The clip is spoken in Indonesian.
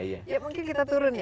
ya mungkin kita turun ya